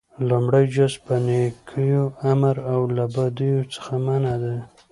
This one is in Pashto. لومړی جز - په نيکيو امر او له بديو څخه منع: